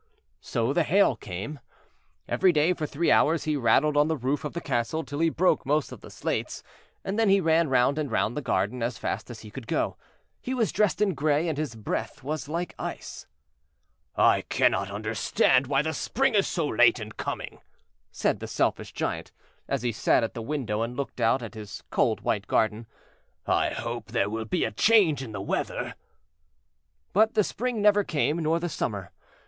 So the Hail came. Every day for three hours he rattled on the roof of the castle till he broke most of the slates, and then he ran round and round the garden as fast as he could go. He was dressed in grey, and his breath was like ice. "I cannot understand why the Spring is so late in coming," said the Selfish Giant, as he sat at the window and looked out at his cold white garden; "I hope there will be a change in the weather." But the Spring never came, nor the Summer.